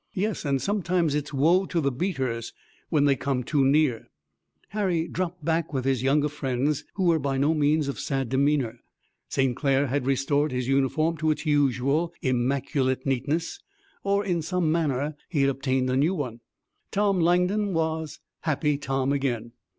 "Yes, and sometimes it's woe to the beaters when they come too near." Harry dropped back with his younger friends who were by no means of sad demeanor. St. Clair had restored his uniform to its usual immaculate neatness or in some manner he had obtained a new one. Tom Langdon was Happy Tom again.